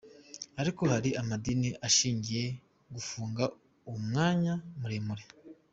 Ariko hari amadini ashigikiye gufunga umwanya muremure.